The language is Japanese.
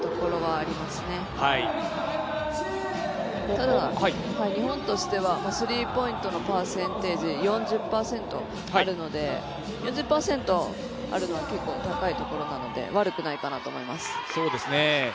ただ、日本としてはスリーポイントのパーセンテージ４０％あるので、４０％あるのは結構高いところなので、悪くないかなと思います。